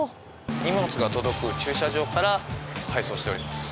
荷物が届く駐車場から配送しております。